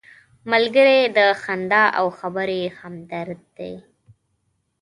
ملګری د خندا او خبرې همدرد دی